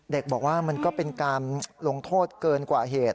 เด็กบอกว่ามันก็เป็นการลงโทษเกินกว่าเหตุ